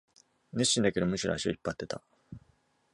熱心だけど、むしろ足を引っ張ってた